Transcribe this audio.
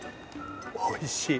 おいしい！